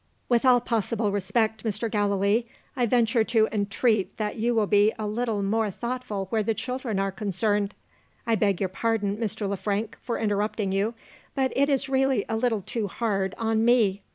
"With all possible respect, Mr. Gallilee, I venture to entreat that you will be a little more thoughtful, where the children are concerned. I beg your pardon, Mr. Le Frank, for interrupting you but it is really a little too hard on Me.